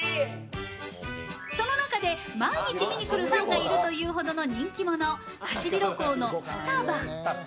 その中で、毎日見に来るファンがいるというほどの人気者、ハシビロコウのフタバ。